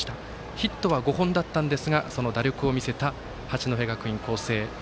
ヒットは５本だったんですがその打力を見せた八戸学院光星。